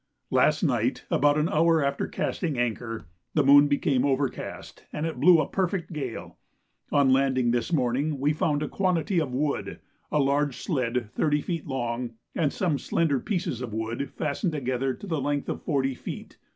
Last night, about an hour after casting anchor, the moon became overcast, and it blew a perfect gale. On landing this morning we found a quantity of wood, a large sledge 30 feet long, and some slender pieces of wood fastened together to the length of 40 feet.